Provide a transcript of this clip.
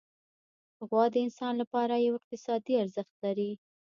غوا د انسان لپاره یو اقتصادي ارزښت لري.